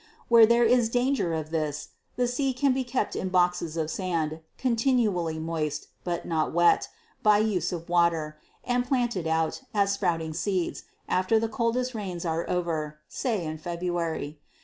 Where there is danger of this, the seed can be kept in boxes of sand, continually moist, but not wet, by use of water, and planted out, as sprouting seeds, after the coldest rains are over, say in February.